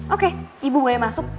oke ibu boleh masuk